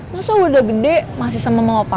masa udah gede masih sama mama papa